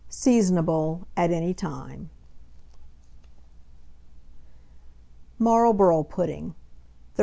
Seasonable at any time. MARLBOROUGH PUDDING. 1304.